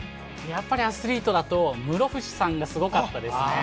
アスリートだと室伏さんがすごかったです。